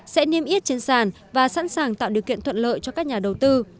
sẽ niêm yết trên sàn và sẵn sàng tạo điều kiện thuận lợi cho các nhà đầu tư